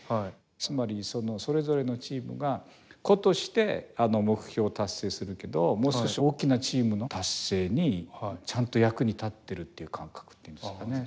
つまり、それぞれのチームが個として目標を達成するけどもう少し大きなチームの達成にちゃんと役に立ってるという感覚というんですかね。